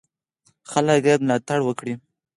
خلک باید ملاتړ وکړي.